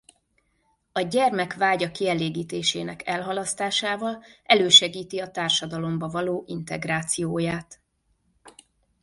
A gyermek vágya kielégítésének elhalasztásával elősegíti a társadalomba való integrációját.